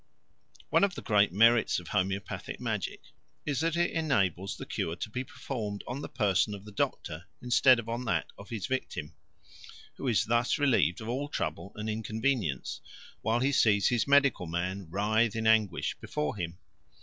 One of the great merits of homoeopathic magic is that it enables the cure to be performed on the person of the doctor instead of on that of his victim, who is thus relieved of all trouble and inconvenience, while he sees his medical man writhe in anguish before him.